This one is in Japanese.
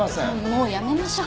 もうやめましょう。